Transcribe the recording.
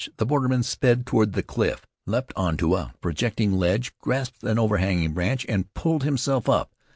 The borderman sped toward the cliff, leaped on a projecting ledge, grasped an overhanging branch, and pulled himself up.